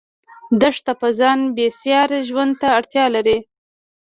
دښته په ځان بسیا ژوند ته اړتیا لري.